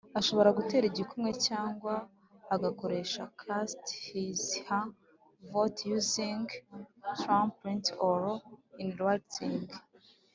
ashobora gutera igikumwe cyangwa agakoresha cast his her vote using a thumb print or in writing